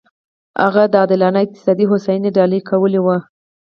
هغه د عادلانه اقتصادي هوساینې ډالۍ کول و.